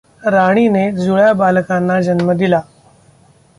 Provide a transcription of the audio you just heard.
राणीने जुळ्या बालकांना जन्म दिला.